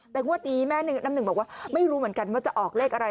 แต่งวดนี้แม่น้ำหนึ่งบอกว่าไม่รู้เหมือนกันว่าจะออกเลขอะไร